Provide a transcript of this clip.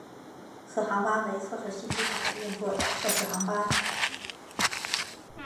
此航班为测试新机场的运作的测试航班。